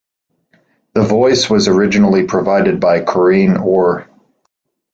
The voice was originally provided by Corinne Orr.